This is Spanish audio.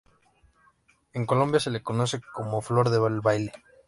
En Colombia se le conoce como "Flor del Baile".